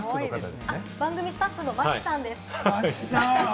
番組スタッフのまきさんです。